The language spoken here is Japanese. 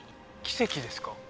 奇跡ですか？